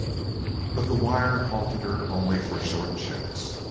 But the wire halted her only for short checks.